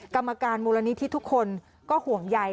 กรรมการมูลนิธิทุกคนก็ห่วงใย